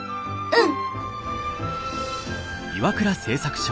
うん。